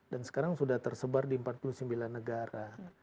dan sekarang sudah tersebar di empat puluh sembilan negara